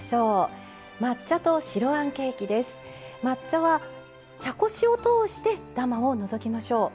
抹茶は茶こしを通してダマを除きましょう。